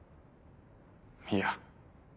いや。